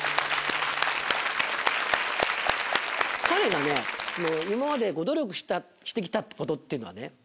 彼がね今まで努力して来たことっていうのはね